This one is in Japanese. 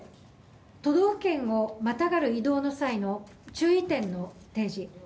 都道府県をまたがる移動の際の注意点の提示。